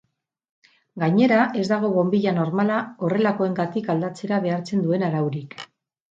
Gainera, ez dago bonbilla normala horrelakoengatik aldatzera behartzen duen araurik.